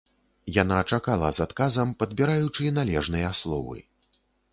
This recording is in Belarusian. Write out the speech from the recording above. Яна чакала з адказам, падбіраючы належныя словы.